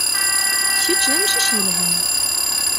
Kečč d amcic yelhan.